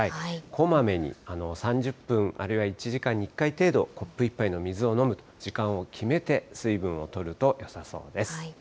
こまめに３０分、あるいは１時間に１回程度、コップ１杯の水を飲む時間を決めて水分をとるとよさそうです。